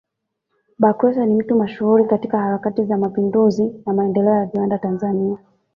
Bakhresa ni mtu mashuhuri katika harakati za mapinduzi na maendeleo ya viwanda Tanzania